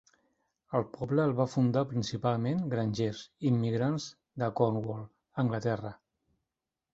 El poble el van fundar principalment grangers immigrants de Cornwall, Anglaterra.